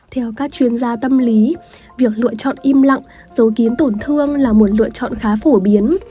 theo các chuyên gia tâm lý việc lựa chọn im lặng dấu kiến tổn thương là một lựa chọn khá phổ biến